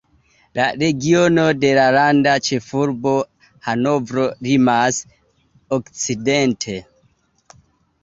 La regiono de la landa ĉefurbo Hanovro limas okcidente.